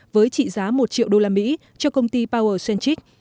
với trị giá một triệu đô la mỹ cho công ty powersensech